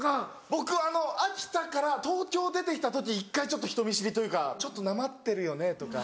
僕秋田から東京出てきた時一回ちょっと人見知りというか「ちょっとなまってるよね」とか。